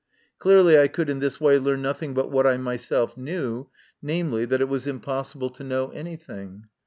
Clearly I could in this way learn nothing but what I myself knew namely, that it was impossible to know anything.